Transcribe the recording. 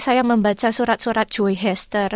saya membaca surat surat joy hester